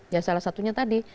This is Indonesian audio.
ya salah satunya tadi